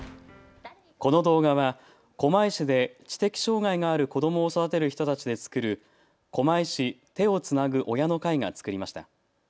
この動画は狛江市で知的障害がある子どもを育てる人たちで作る狛江市手をつなぐ親の会が作りました。